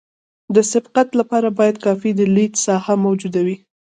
د سبقت لپاره باید کافي د لید ساحه موجوده وي